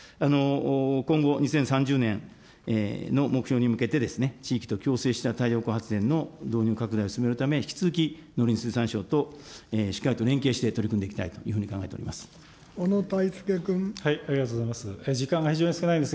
今後２０３０年の目標に向けて、地域と共生した太陽光発電の導入拡大を進めるため、引き続き農林水産省としっかりと連携して取り組んでいきたいというふうに考えております。